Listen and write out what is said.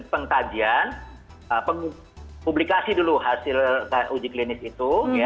pengkajian publikasi dulu hasil uji klinis itu